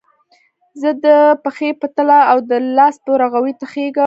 زه د پښې په تله او د لاس په ورغوي تخږم